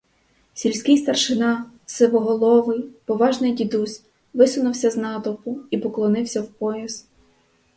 Сільський старшина, сивоголовий, поважний дідусь, висунувся з натовпу і поклонився в пояс.